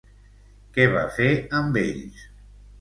Què va fer amb ells?